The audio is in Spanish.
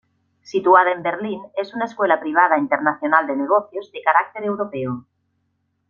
Situada en Berlín, es una escuela privada e internacional de negocios de carácter europeo.